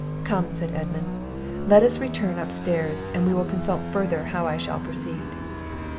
"Come," said Edmund, "let us return up stairs, and we will consult further how I shall proceed."